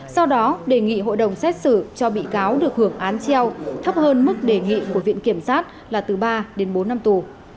sau đó đề nghị hội đồng xét xử cho bị cáo được hưởng án treo thấp hơn mức đề nghị của viện kiểm sát là từ ba đến bốn năm tù